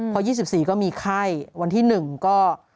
พอ๒๔ก็มีไข้วันที่๑ก็